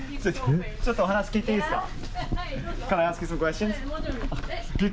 ちょっとお話聞いていいですか？